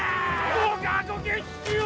どうかご決心を！